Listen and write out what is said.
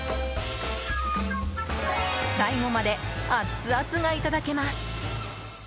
最後までアッツアツがいただけます。